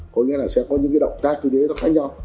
có nghĩa là sẽ có những cái động tác tư thế nó khác nhau